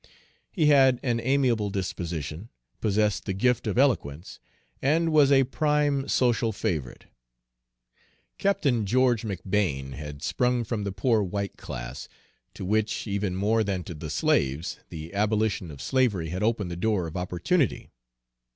He had an amiable disposition, possessed the gift of eloquence, and was a prime social favorite. Captain George McBane had sprung from the poor white class, to which, even more than to the slaves, the abolition of slavery had opened the door of opportunity.